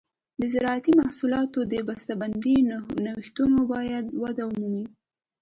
د زراعتي محصولاتو د بسته بندۍ نوښتونه باید وده ومومي.